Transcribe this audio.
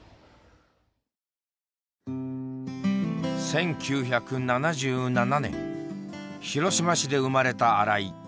１９７７年広島市で生まれた新井。